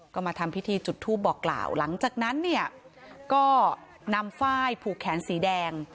ก็มาทำพิธีจุดทูปบอกกล่าวหลังจากนั้นเนี่ยก็นำฝ้ายผูกแขนสีแดง